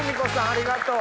ありがとう。